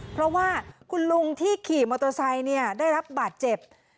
เพราะว่าคุณลุงที่ขี่มอเตอร์ไซค์ได้รับบาดเจ็บ